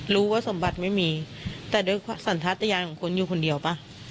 รู้ว่าสมบัติไม่มีแต่ด้วยสัญชาติยานของคนอยู่คนเดียวป่ะ